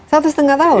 satu setengah tahun